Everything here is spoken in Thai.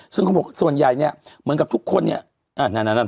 ซึ่งเขาบอกส่วนใหญ่เนี้ยเหมือนกับทุกคนเนี้ยอ่ะนั่นนั่นนั่น